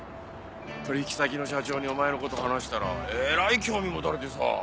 取引先の社長にお前のこと話したらえらい興味持たれてさ。